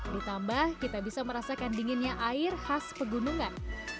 ditambah kita bisa merasakan dinginnya air khas pegunungan